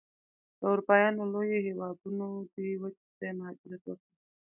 د اروپایانو لویو هېوادونو دې وچې ته مهاجرت وکړ.